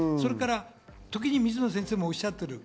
時に水野先生もおっしゃっている。